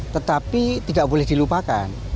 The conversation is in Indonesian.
tetapi tidak boleh dilupakan